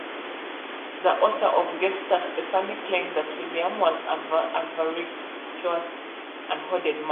The author of the "Gesta Stephani" claimed that William was avaricious and hoarded money.